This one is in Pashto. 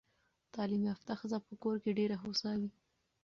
تعلیم یافته ښځه په کور کې ډېره هوسا وي.